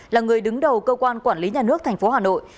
là người đứng đầu cơ quan quản lý nhà nước tp hà nội